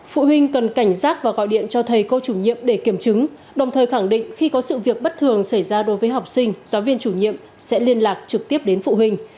phụ huynh cần cảnh giác và gọi điện cho thầy cô chủ nhiệm để kiểm chứng đồng thời khẳng định khi có sự việc bất thường xảy ra đối với học sinh giáo viên chủ nhiệm sẽ liên lạc trực tiếp đến phụ huynh